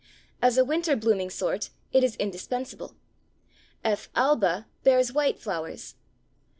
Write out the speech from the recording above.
As a winter blooming sort it is indispensable. F. Alba bears white flowers.